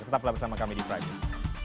tetaplah bersama kami di prime news